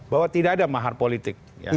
bahwa tidak ada mahar politik